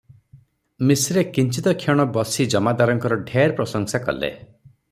ମିଶ୍ରେ କିଞ୍ଚିତକ୍ଷଣ ବସି ଜମାଦାରଙ୍କର ଢେର ପ୍ରଶଂସା କଲେ ।